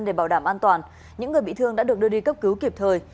để bảo đảm an toàn những người bị thương đã được đưa đi cấp cứu kịp thời